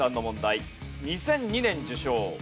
２００２年受賞。